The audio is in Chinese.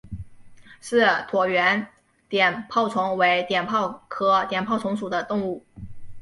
似椭圆碘泡虫为碘泡科碘泡虫属的动物。